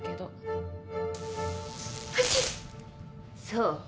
そう。